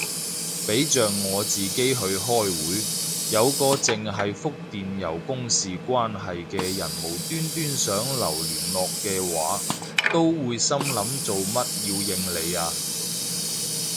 俾着我自己去開會，有個剩係覆電郵公事關係嘅人無端端想留聯絡嘅話，都會心諗做乜要應你啊